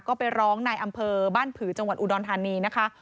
ก็ไปร้องในอำเภอบ้านผือจังหวัดอุดรธานีนะคะ